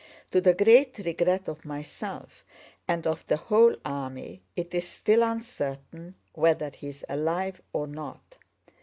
To the great regret of myself and of the whole army it is still uncertain whether he is alive or not.